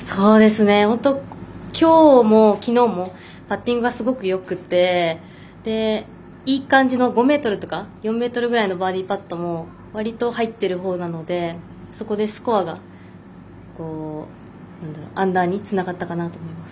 本当、きょうもきのうもパッティングがすごくよくていい感じの５ｍとか４ｍぐらいのバーディーパットも割と入ってるほうなのでそこでスコアがアンダーにつながったかなと思います。